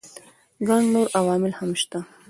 ګڼ نور عوامل هم شته.